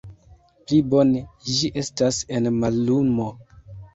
Pli bone ĝi estas en mallumo.